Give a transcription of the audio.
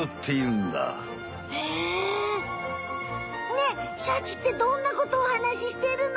ねえシャチってどんなことをおはなししてるの？